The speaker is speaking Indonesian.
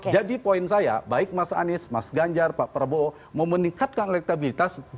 jadi poin saya baik mas anies mas ganjar pak prabowo mau meningkatkan elektabilitas